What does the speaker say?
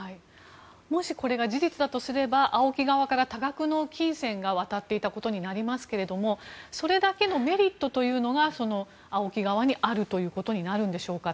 もしこれが事実だとすればＡＯＫＩ側から多額の金銭が渡っていたことになりますけどもそれだけのメリットというのがＡＯＫＩ側にあるということになるんでしょうか。